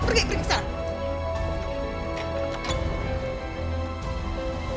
pergi pergi ke sana